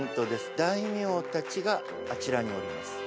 大名たちがあちらにおります。